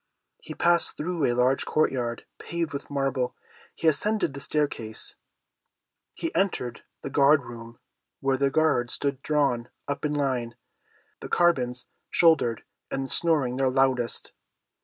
He passed through a large court yard paved with marble; he ascended the staircase. He entered the guard room, where the guards stood drawn up in line, their carbines shouldered, and snoring their loudest.